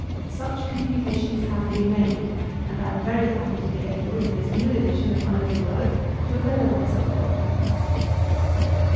Such communications have been made, and I am very happy to be able, in this new edition of my little work, to avail myself of them.